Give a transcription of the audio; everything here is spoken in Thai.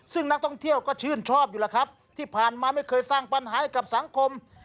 ซึ่งนักท่องเที่ยวก็ชื่นชอบอยู่แล้วครับที่ผ่านมาไม่เคยสร้างปัญหาให้กับสังคม